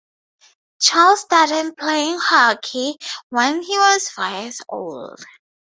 Child started playing hockey when he was four years old.